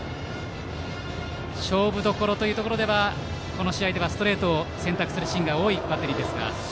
勝負どころというところではこの試合はストレートを選択するシーンが多いバッテリーです。